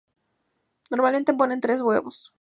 Normalmente, ponen tres huevos.